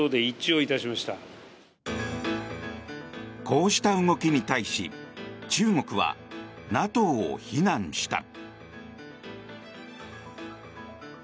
こうした動きに対し中国はＮＡＴＯを非難した。